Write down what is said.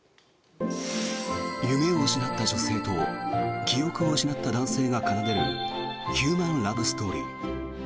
夢を失った女性と記憶を失った男性が奏でるヒューマンラブストーリー。